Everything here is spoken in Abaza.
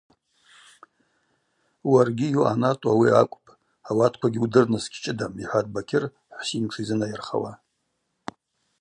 Уаргьи йуъанатӏу ауи акӏвпӏ, ауатквагьи удырныс гьчвгьам, – йхӏватӏ Бакьыр Хӏвсин тшизынайырхауа.